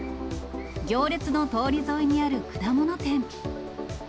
行列の通り沿いにある果物店。